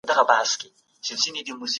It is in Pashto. که هغه هم ورسره مړه سوي دي؟